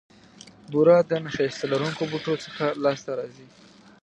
بوره د نیشاسته لرونکو بوټو څخه لاسته راځي.